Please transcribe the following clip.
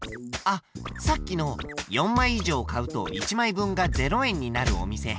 あっさっきの４枚以上買うと１枚分が０円になるお店